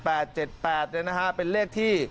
ปลูกมะพร้าน้ำหอมไว้๑๐ต้น